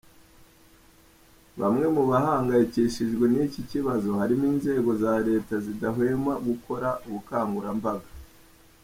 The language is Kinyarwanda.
Bamwe mu bahangayikishijwe n’iki kibazo, harimo inzego za leta zidahwema gukora ubukangurambaga.